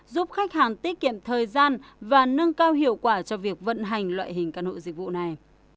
giúp khách hàng tiết kiệm thời gian và nâng cao hiệu quả cho việc vận hành loại hình căn hộ dịch vụ này